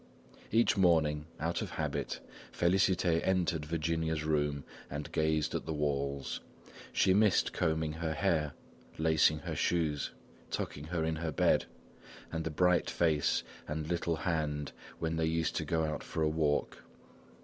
Each morning, out of habit, Félicité entered Virginia's room and gazed at the walls. She missed combing her hair, lacing her shoes, tucking her in her bed, and the bright face and little hand when they used to go out for a walk.